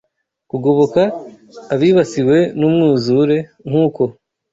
kugoboka abibasiwe n’umwuzure, nk’uko